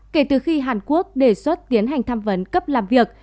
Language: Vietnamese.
kể từ khi hàn quốc đề xuất tiến hành tham vấn cấp làm việc